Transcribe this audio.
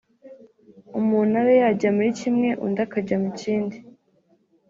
umuntu abe yajya muri kimwe undi akajya mu kindi